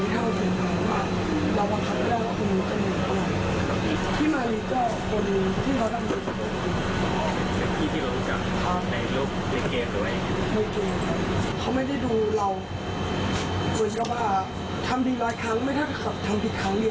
แต่ซึ่งมีความเกิดเลยนะครับ